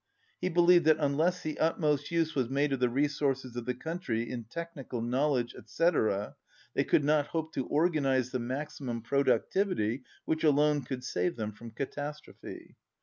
He believed that unless the utmost use was made of the resources of the country in tech nical knowledge, etc., they could not hope to or ganize the maximum productivity which alone could save them from catastrophe.